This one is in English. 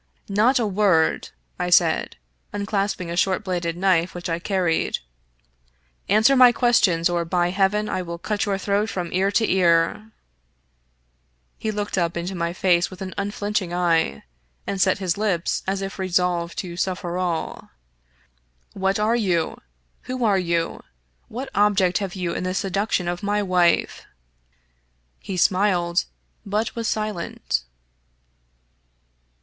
" Not a word," I said, unclasping a short bladed knife which I carried ;" answer my questions, or, by heaven, I will cut your throat from ear to ear !" He looked up into my face with an unflinching eye, and set his lips as if resolved to suffer all. "What are you? Who are you? What object have you in the seduction of my wife ?" He smiled, but was silent.